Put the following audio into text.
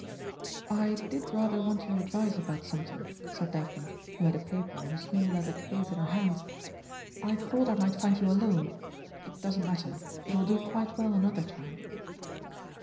"I did rather want your advice about something," said Daphne, who had a paper, and a small leather case in her hands; "I thought I might find you alone. It doesn't matter it will do quite well another time."